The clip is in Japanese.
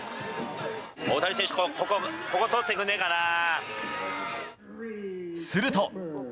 大谷選手、ここ通ってくれなすると。